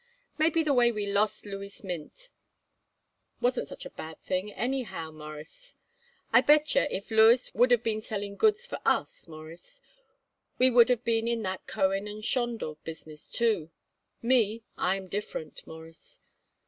Maybe the way we lost Louis Mintz wasn't such a bad thing anyhow, Mawruss. I bet yer if Louis would of been selling goods for us, Mawruss, we would of been in that Cohen & Schondorf business too. Me, I am different, Mawruss.